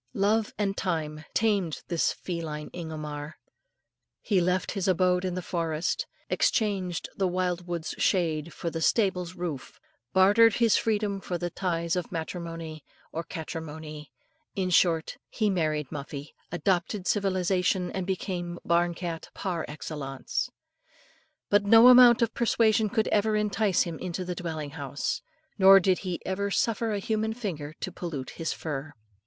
Love and time tamed this feline Ingomar. He left his abode in the forest, exchanged the wild wood's shade for the stable's roof, bartered his freedom for the ties of matrimony, or catrimony, in short, he married Muffie, adopted civilisation, and became barn cat par excellence. But no amount of persuasion could ever entice him into the dwelling house, nor did he ever suffer a human finger to pollute his fur.